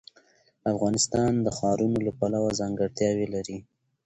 افغانستان د ښارونو له پلوه ځانګړتیاوې لري.